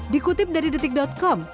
dikutip dari detik com